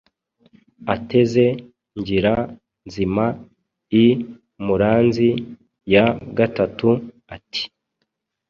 Ateze Ngira-nzima i Muranzi. Ya gatatu Ati: